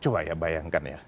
coba ya bayangkan ya